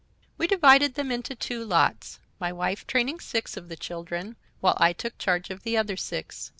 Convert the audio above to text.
We divided them into two lots, my wife training six of the children, while I took charge of the other six.